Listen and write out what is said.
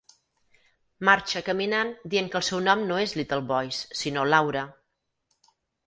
Marxa caminant dient que el seu nom no és Little Voice, sinó Laura.